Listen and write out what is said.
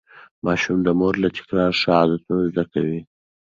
ماشوم د مور له تکرار ښه عادتونه زده کوي.